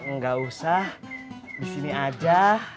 nggak usah di sini aja